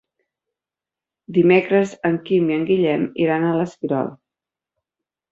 Dimecres en Quim i en Guillem iran a l'Esquirol.